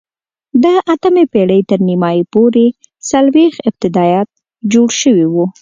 د اتمې پېړۍ تر نیمايي پورې څلوېښت ابدات جوړ شوي وو.